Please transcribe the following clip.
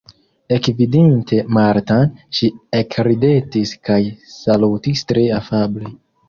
Ekvidinte Martan, ŝi ekridetis kaj salutis tre afable.